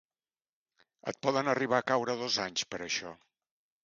Et poden arribar a caure dos anys per això.